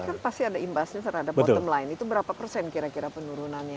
ini kan pasti ada imbasnya terhadap bottom line itu berapa persen kira kira penurunannya